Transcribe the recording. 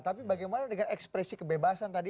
tapi bagaimana dengan ekspresi kebebasan tadi